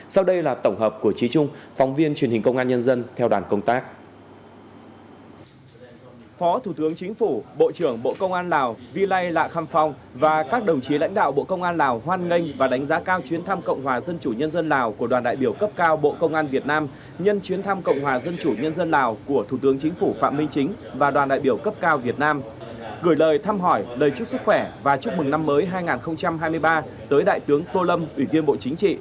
sau đây là tổng hợp của trí trung phóng viên truyền hình công an nhân dân theo đoàn công tác